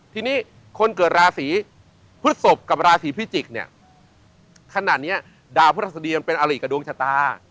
ทีนี้คนเกิดราศีพฤศพกับราศีพิจิกษ์เนี่ยขนาดนี้ดาวพระราชดีมันเป็นอลิกับดวงชะตา